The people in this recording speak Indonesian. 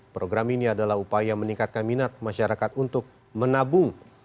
program ini adalah upaya meningkatkan minat masyarakat untuk menabung